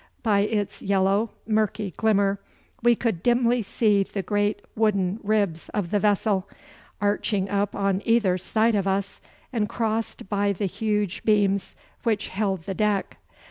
By its yellow, murky glimmer we could dimly see the great wooden ribs of the vessel, arching up on either side of us, and crossed by the huge beams which held the deck.